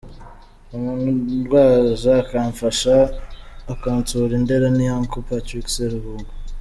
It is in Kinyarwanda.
Umuntu undwaza, akamfasha, akansura i Ndera ni uncle Patrick Seruhuga.